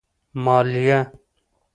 مالیه